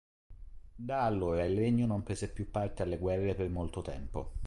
Da allora il regno non prese più parte alle guerre per molto tempo.